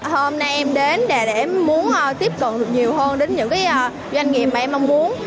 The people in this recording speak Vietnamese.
hôm nay em đến để em muốn tiếp cận được nhiều hơn đến những doanh nghiệp mà em mong muốn